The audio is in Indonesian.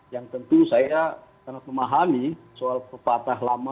yang tentu saya sangat memahami soal pepahamu